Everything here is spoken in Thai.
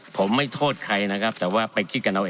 ผมไม่โทษใครนะครับแต่ว่าไปคิดกันเอาเอง